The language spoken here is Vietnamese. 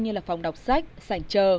như là phòng đồng tập thể phòng ngủ tập thể